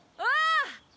あぁ！